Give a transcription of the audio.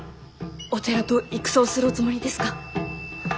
お寺と戦をするおつもりですか？